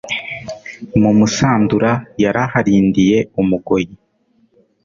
Mu Musandura yaraharindiye, umugoyi.